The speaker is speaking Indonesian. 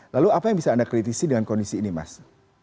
lalu apa yang bisa anda kritisi dengan kondisi ini mas